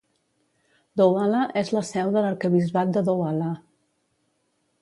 Douala és la seu de l'arquebisbat de Douala.